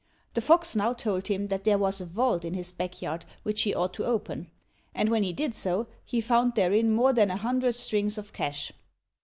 The fox now told him that there was a vault in his back yard which he ought to open; and when he did so, he found therein more than a hundred strings of cash.